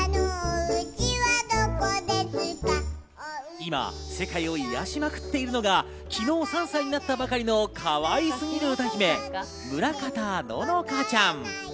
今、世界を癒やしまくっているのが昨日３歳になったばかりのかわいすぎる歌姫、村方乃々佳ちゃん。